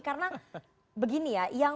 karena begini ya